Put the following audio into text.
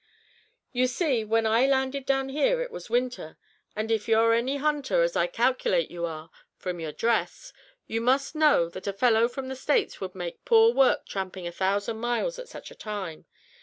"You see, when I landed down here, it was winter, and if you're any hunter, as I calculate you are, from your dress, you must know that a fellow from the States would make poor work tramping a thousand miles at such a time.